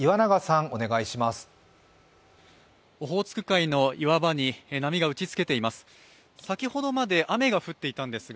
オホーツク海の岩場に波が打ちつけています。